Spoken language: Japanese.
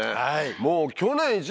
もう。